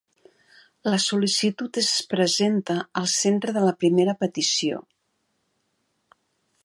La sol·licitud es presenta al centre de la primera petició.